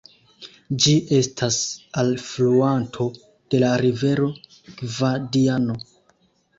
Ĝi estas alfluanto de la rivero Gvadiano.